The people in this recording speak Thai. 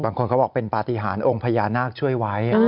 เขาบอกเป็นปฏิหารองค์พญานาคช่วยไว้